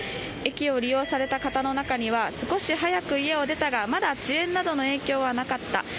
駅を利用された方の中には少し早く家を出たがまだ遅延などの影響はなかった。